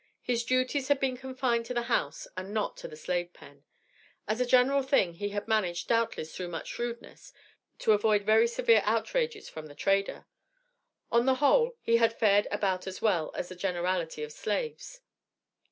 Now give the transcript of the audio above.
His duties had been confined to the house, and not to the slave pen. As a general thing, he had managed, doubtless through much shrewdness, to avoid very severe outrages from the trader. On the whole, he had fared "about as well" as the generality of slaves.